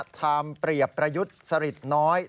เปรียบประยุทธ์สริตน้อย